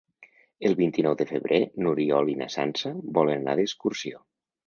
El vint-i-nou de febrer n'Oriol i na Sança volen anar d'excursió.